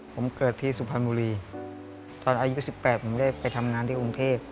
ผมเกิดที่สุพรรณบุรีตอนอายุ๑๘ผมได้ไปทำงานที่กรุงเทพ